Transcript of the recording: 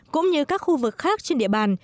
cũng như các khu vực khác trên địa bàn